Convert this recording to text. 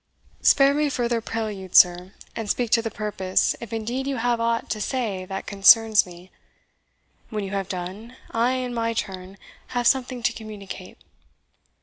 Spare me further prelude, sir, and speak to the purpose if indeed you have aught to say that concerns me. When you have done, I, in my turn, have something to communicate."